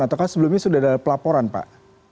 ataukah sebelumnya sudah ada pelaporan pak